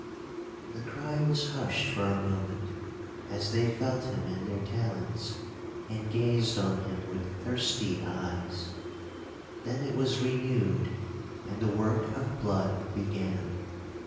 'The cry was hushed for a moment, as they felt him in their talons, and gazed on him with thirsty eyes. Then it was renewed, and the work of blood began.